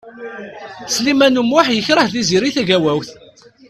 Sliman U Muḥ yekṛeh Tiziri Tagawawt.